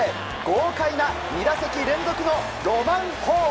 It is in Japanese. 豪快な２打席連続のロマン砲。